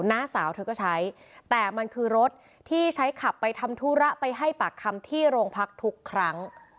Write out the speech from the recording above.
น้าสาวเธอก็ใช้แต่มันคือรถที่ใช้ขับไปทำธุระไปให้ปากคำที่โรงพักทุกครั้ง